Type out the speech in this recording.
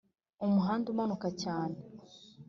umuhanda umanuka cyane